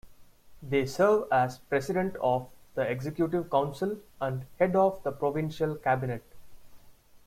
They serve as President of the Executive Council and head of the provincial Cabinet.